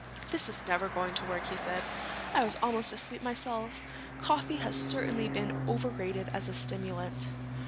"This is never going to work," he said. "I was almost asleep myself. Coffee has certainly been overrated as a stimulant."